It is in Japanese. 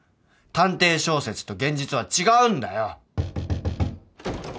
探偵小説と現実は違うんだよ！